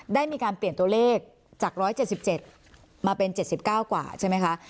ได้มีการเปลี่ยนตัวเลขจาก๑๗๗มาเป็น๗๙กว่าใช่ไหมคะ